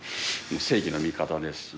正義の味方ですし。